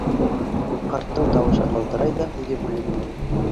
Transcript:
— Ҡарттың тауышы ҡалтырай ҙа һүҙе бүленә.